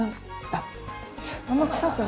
あっ。